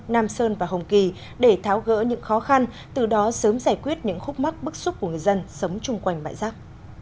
nam sơn và hồng kỳ để tháo gỡ những khó khăn từ đó sớm giải quyết những khúc mắc bức xúc của người dân sống chung quanh bãi rác